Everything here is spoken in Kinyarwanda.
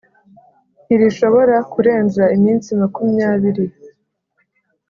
ntirishobora kurenza iminsi makumyabiri